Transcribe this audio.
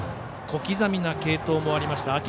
小刻みな継投もありました。